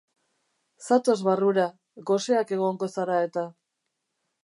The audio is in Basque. Zatoz barrura, goseak egongo zara eta.